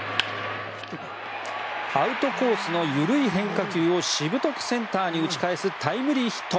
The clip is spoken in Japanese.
アウトコースの緩い変化球をしぶとくセンターに打ち返すタイムリーヒット。